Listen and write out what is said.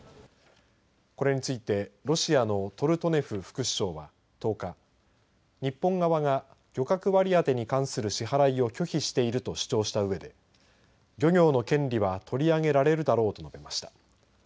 これについてロシアのトルトネフ副首相は１０日日本側が漁獲割り当てに関する支払いを拒否していると主張したうえで漁業の権利は取り上げられるだろうと述べました。